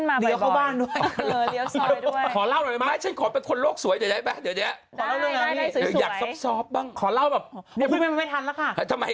ไม่ทันแล้วคุณแม่